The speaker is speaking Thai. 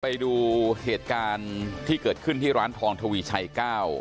ไปดูเหตุการณ์ที่เกิดขึ้นที่ร้านทองทวีชัยเก้า